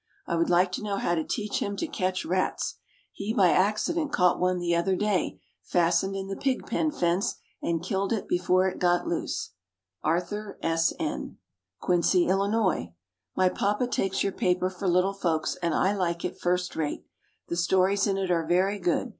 I would like to know how to teach him to catch rats. He by accident caught one the other day, fastened in the pig pen fence, and killed it before it got loose. ARTHUR S. N. QUINCY, ILLINOIS. My papa takes your paper for little folks, and I like it first rate. The stories in it are very good.